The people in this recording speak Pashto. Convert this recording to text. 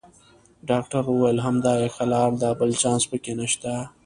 ډاکټر وویل: همدا یې ښه لار ده، بل چانس پکې نشته.